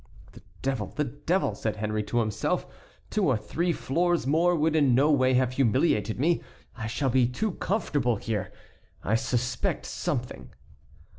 "The devil! the devil!" said Henry to himself, "two or three floors more would in no way have humiliated me. I shall be too comfortable here; I suspect something."